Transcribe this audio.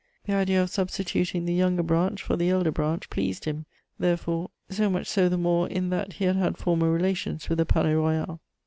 The idea of substituting the Younger Branch for the Elder Branch pleased him, therefore, so much so the more in that he had had former relations with the Palais Royal.